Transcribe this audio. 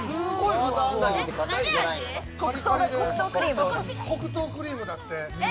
カリカリで黒糖クリームだって。